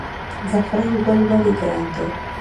زعفران ګل ولې ګران دی؟